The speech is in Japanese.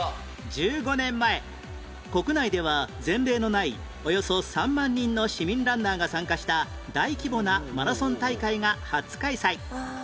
１５年前国内では前例のないおよそ３万人の市民ランナーが参加した大規模なマラソン大会が初開催